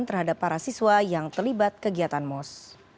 terhadap para siswa yang terlibat kegiatan mos